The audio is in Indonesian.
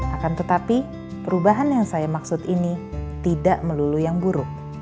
akan tetapi perubahan yang saya maksud ini tidak melulu yang buruk